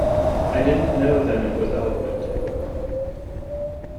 I didn't know then it was eloquent!